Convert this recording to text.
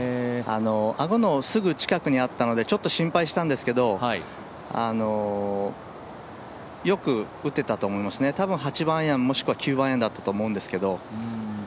アゴのすぐ近くにあったのでちょっと心配したんですけどよく打てたと思いますね、多分、８番アイアン、もしくは９番アイアンだったと思うんですけど。